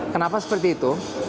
kenapa seperti itu